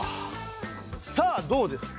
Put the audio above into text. さあどうですか？